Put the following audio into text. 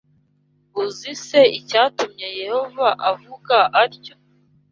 Uzi se icyatumye Yehova avuga atyo